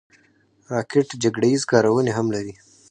راکټ جګړه ییز کارونې هم لري